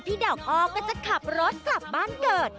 ดอกอ้อก็จะขับรถกลับบ้านเกิด